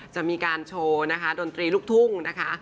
จะมีการโชว์นะคะดนตรีลูกทุ่งนะคะ